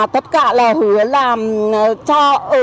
tất cả là hứa làm cho